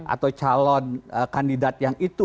atau calon kandidat yang itu